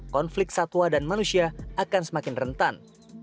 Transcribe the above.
konflik satwa dan manusia akan semakin rentan